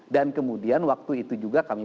dan kemudian waktu itu juga kami